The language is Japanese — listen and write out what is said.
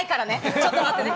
ちょっと待ってね。